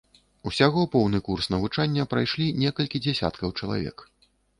Усяго поўны курс навучання прайшлі некалькі дзясяткаў чалавек.